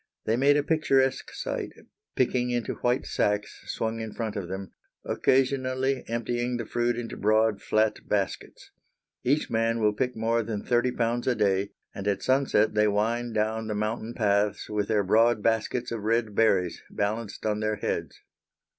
They made a picturesque sight, picking into white sacks swung in front of them, occasionally emptying the fruit into broad, flat baskets. Each man will pick more than thirty pounds a day, and at sunset they wind down the mountain paths with their broad baskets of red berries balanced on their heads.